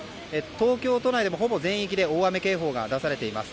東京都内でもほぼ全域で大雨警報が出されています。